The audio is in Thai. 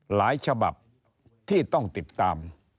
ฉบับที่ต้องติดตาม